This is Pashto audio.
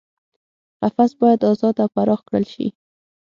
قفس باید ازاد او پراخ کړل شي.